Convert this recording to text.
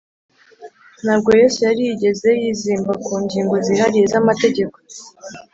ntabwo yesu yari yigeze yizimba ku ngingo zihariye z’amategeko